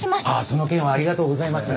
その件はありがとうございます。